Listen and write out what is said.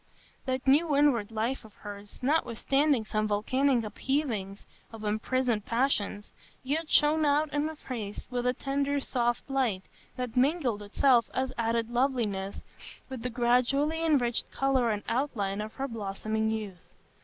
That new inward life of hers, notwithstanding some volcanic upheavings of imprisoned passions, yet shone out in her face with a tender soft light that mingled itself as added loveliness with the gradually enriched colour and outline of her blossoming youth.